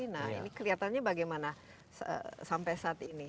nah ini kelihatannya bagaimana sampai saat ini